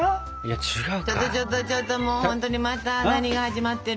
ちょっとちょっとちょっともうほんとにまた何が始まってる？